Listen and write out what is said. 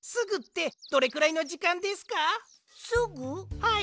はい。